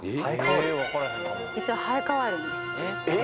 実は生え変わるんですえっ？